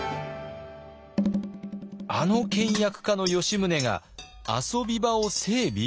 あの倹約家の吉宗が遊び場を整備？